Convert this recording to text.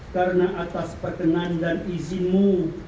karena atas perkenan dan izinmu